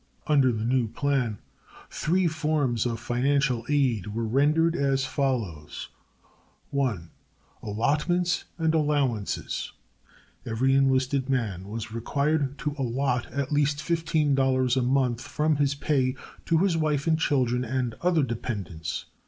Under the new plan three forms of financial aid were rendered, as follows: 1. Allotments and Allowances. Every enlisted man was required to allot at least $15 a month from his pay to his wife and children and other dependents.